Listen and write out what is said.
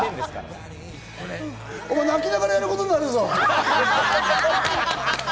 お前、泣きながらやることにアハハハハ！